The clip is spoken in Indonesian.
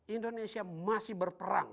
indonesia masih berperang